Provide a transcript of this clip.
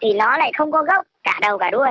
thì nó lại không có gốc cả đầu cả đuôi